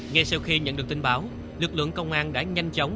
ngay sau khi nhận được tin báo lực lượng công an đã nhanh chóng